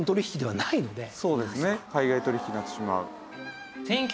そうですね海外取引になってしまう。